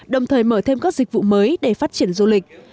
đồng thời mở thêm các dịch vụ mới để phát triển du lịch